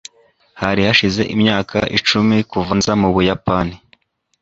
Hari hashize imyaka icumi kuva nza mu Buyapani.